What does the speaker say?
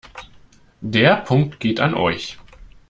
Der Punkt geht an euch.